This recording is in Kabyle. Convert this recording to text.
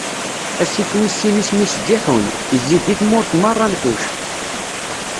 Asif wis sin isem-is Giḥun, izzi-d i tmurt meṛṛa n Kuc.